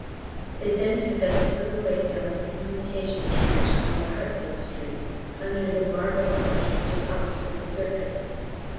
They then took us a little way down the communication trench called "Hertford Street," under the "Marble Arch" to "Oxford Circus!"